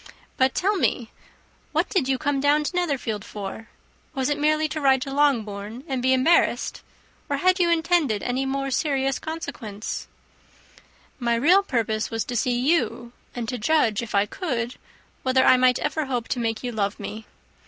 But tell me, what did you come down to Netherfield for? Was it merely to ride to Longbourn and be embarrassed? or had you intended any more serious consequences?" "My real purpose was to see you, and to judge, if I could, whether I might ever hope to make you love me.